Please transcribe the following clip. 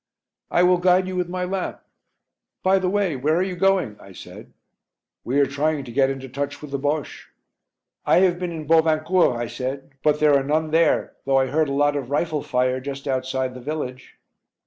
"I will guide you with my lamp by the way, where are you going?" I said. "We are trying to get into touch with the Bosche." "I have been in Bovincourt," I said, "but there are none there, though I heard a lot of rifle fire just outside the village."